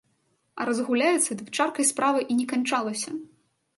А разгуляецца, дык чаркай справа і не канчалася.